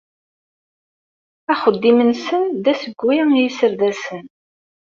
Axeddim-nsen d assewwi i yiserdasen.